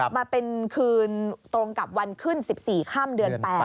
มาเป็นคืนตรงกับวันขึ้น๑๔ค่ำเดือน๘